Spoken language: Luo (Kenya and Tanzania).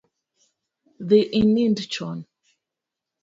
Dhi inind chon